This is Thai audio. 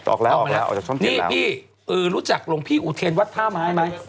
ออกแล้วออกมาแล้วออกจากช่องนี่พี่รู้จักหลวงพี่อุเทรนวัดท่าไม้ไหม